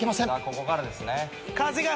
ここからですね。